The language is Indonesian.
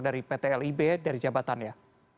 dari pt lib dari jabatannya